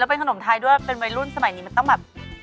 เป็นขนมไทยด้วยเป็นวัยรุ่นสมัยนี้มันต้องแบบ